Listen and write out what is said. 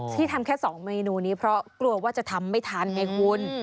ที่ทำแค่๒เมนูนี้เพราะกลัวว่าจะทำไม่ทันไงคุณ